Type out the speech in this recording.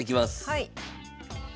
はい。